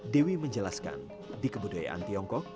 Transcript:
dewi menjelaskan di kebudayaan tiongkok